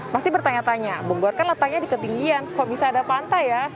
pasti bertanya tanya bogor kan letaknya di ketinggian kok bisa ada pantai ya